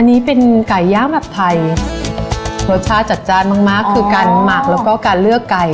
อันนี้เป็นไก่ย่างแบบไทยรสชาติจัดจ้านมากมากคือการหมักแล้วก็การเลือกไก่